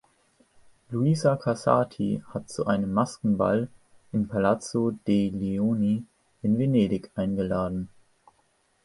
Luisa Casati hat zu einem Maskenball im Palazzo dei Leoni in Venedig eingeladen.